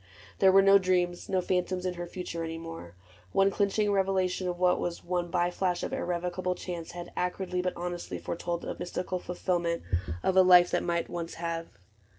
There were no dreams, No phantoms in her future any more : One clinching revelation of what was. One by flash of irrevocable chance, Had acridly but honestly foretold The mystical fulfillment of a life That might have once